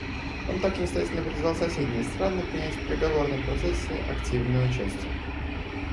Он также настоятельно призвал соседние страны принять в переговорном процессе активное участие.